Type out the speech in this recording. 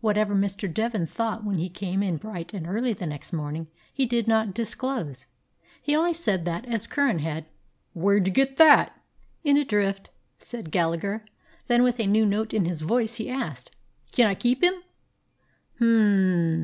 Whatever Mr. Devin thought when he came in bright and early the next morning, he did not disclose. He only said, as Curran had: "Where did you get — that?" 162 A BROOKLYN DOG "In a drift," said Gallagher. Then, with a new note in his voice, he asked : "Kin I keep him?" "Hm!